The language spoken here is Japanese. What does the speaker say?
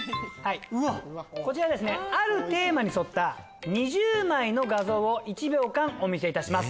こちらあるテーマに沿った２０枚の画像を１秒間お見せいたします。